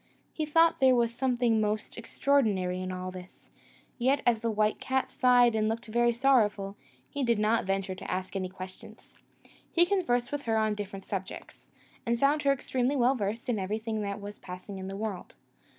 He thought there was something most extraordinary in all this: yet, as the white cat sighed and looked very sorrowful, he did not venture to ask any questions. He conversed with her on different subjects, and found her extremely well versed in everything that was passing in the world.